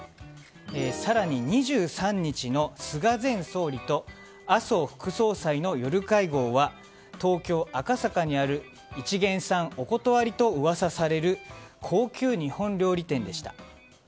更に２３日の菅前総理と麻生副総裁の夜会合は東京・赤坂にあるいちげんさんお断りと噂される高級日本料理店でした。